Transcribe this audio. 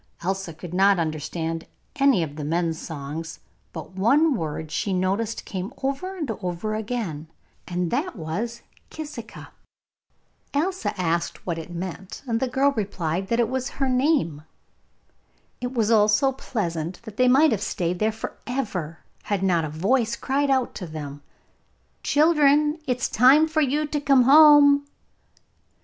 Elsa could not understand any of the men's songs, but one word, she noticed, came over and over again, and that was 'Kisika.' Elsa asked what it meant, and the girl replied that it was her name. It was all so pleasant that they might have stayed there for ever had not a voice cried out to them, 'Children, it is time for you to come home!